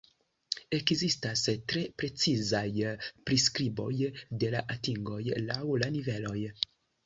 Ekzistas tre precizaj priskriboj de la atingoj laŭ la niveloj.